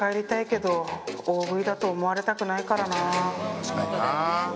確かにな。